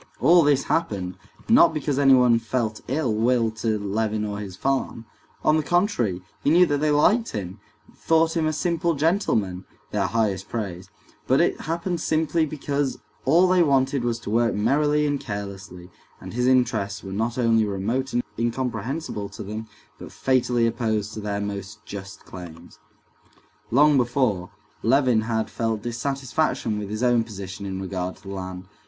All this happened, not because anyone felt ill will to Levin or his farm; on the contrary, he knew that they liked him, thought him a simple gentleman (their highest praise); but it happened simply because all they wanted was to work merrily and carelessly, and his interests were not only remote and incomprehensible to them, but fatally opposed to their most just claims. Long before, Levin had felt dissatisfaction with his own position in regard to the land.